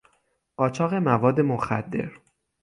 قاچاق مواد مخدر